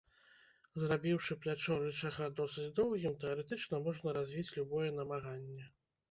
Зрабіўшы плячо рычага досыць доўгім, тэарэтычна, можна развіць любое намаганне.